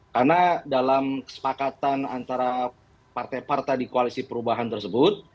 karena dalam kesepakatan antara partai partai di koalisi perubahan tersebut